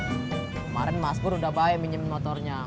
kemarin mas bur udah bayi minyamin motornya